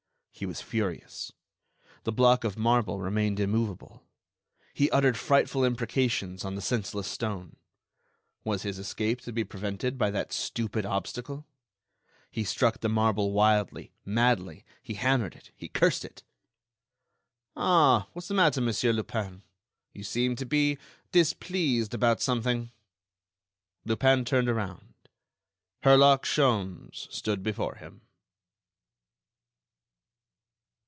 He was furious. The block of marble remained immovable. He uttered frightful imprecations on the senseless stone. Was his escape to be prevented by that stupid obstacle? He struck the marble wildly, madly; he hammered it, he cursed it. "Ah! what's the matter, Monsieur Lupin? You seem to be displeased about something." Lupin turned around. Herlock Sholmes stood before him!